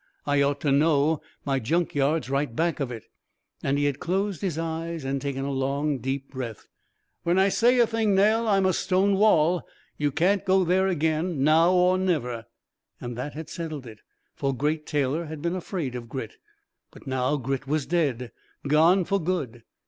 I ought to know, my junkyard's right back of it." And he had closed his eyes and taken a long, deep breath. "When I say a thing, Nell, I'm a stone wall. You can't go there again now or never." And that had settled it, for Great Taylor had been afraid of Grit. But now Grit was dead; gone for good.